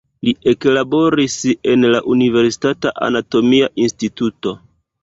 Li eklaboris en la universitata anatomia instituto.